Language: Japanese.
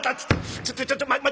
ちょっとちょっと待って。